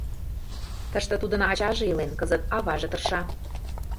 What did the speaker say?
Тыште тудын ачаже илен, кызыт аваже тырша.